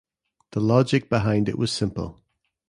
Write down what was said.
The logic behind it was simple.